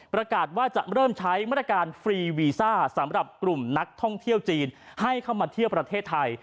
ประกาศว่าจะเริ่มใช้มาตรการฟรีวีซ่าสำหรับกลุ่มนักท่องเที่ยวจีนให้เข้ามาเที่ยวประเทศไทย